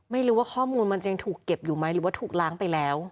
ไม่รู้ว่าข้อมูลมันจะยังถูกเก็บอยู่ไหมหรือว่าถูกล้างไปแล้ว